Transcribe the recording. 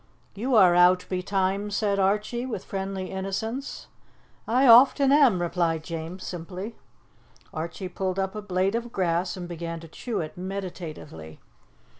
"You are out betimes," said Archie, with friendly innocence. "I often am," replied James simply. Archie pulled up a blade of grass and began to chew it meditatively.